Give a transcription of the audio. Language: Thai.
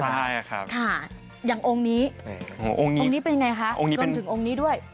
ใช่อะครับค่ะอย่างองค์นี้องค์นี้เป็นไงคะองค์นี้เป็นรวมถึงองค์นี้ด้วย